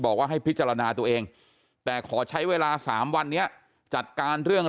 บอกว่าให้พิจารณาตัวเองแต่ขอใช้เวลา๓วันนี้จัดการเรื่อง